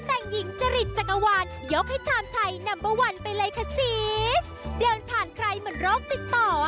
พีชเดินผ่านใครเหมือนโรคติดต่อ